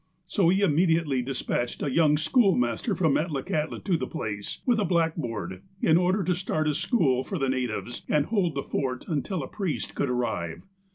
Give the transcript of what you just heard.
So he immediately despatched a young schoolmaster from Metlakahtla to the place, with a blackboard, in order to start a school for the natives, and hold the fort until a priest could arrive.